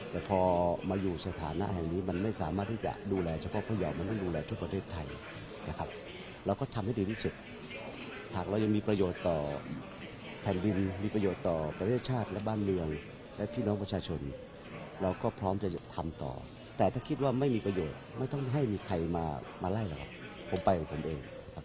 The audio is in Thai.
แต่พอมาอยู่สถานะแห่งนี้มันไม่สามารถที่จะดูแลเฉพาะผู้ใหญ่มันต้องดูแลทั่วประเทศไทยนะครับเราก็ทำให้ดีที่สุดหากเรายังมีประโยชน์ต่อแผ่นดินมีประโยชน์ต่อประเทศชาติและบ้านเมืองและพี่น้องประชาชนเราก็พร้อมจะทำต่อแต่ถ้าคิดว่าไม่มีประโยชน์ไม่ต้องให้มีใครมาไล่หรอกผมไปของผมเองครับ